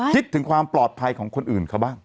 คิดถึงความปลอดภัยของคนอื่นเขาบ้าง